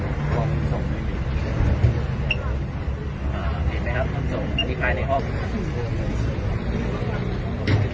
อันนี้ไหมครับอันนี้กลายในห้อง